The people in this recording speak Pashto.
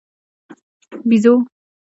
🐒بېزو